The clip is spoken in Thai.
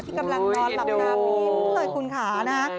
ที่กำลังนอนหลับหน้าพิมพ์เลยคุณคะ